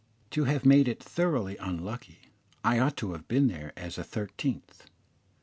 To have made it thoroughly unlucky I ought to have been there as a thirteenth.